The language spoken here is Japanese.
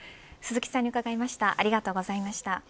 鈴木さんに伺いました。